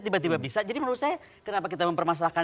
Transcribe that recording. tiba tiba bisa jadi menurut saya kenapa kita mempermasalahkan